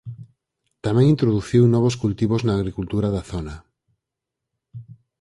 Tamén introduciu novos cultivos na agricultura da zona.